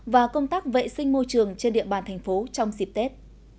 và công tác vệ sinh môi trường trên địa bàn thành phố trong dịp tết